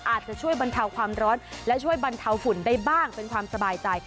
อาจจะช่วยบรรเทาความร้อนและช่วยบรรเทาฝุ่นได้บ้างเป็นความสบายใจ